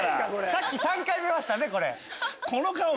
さっき３回見ましたねこれ。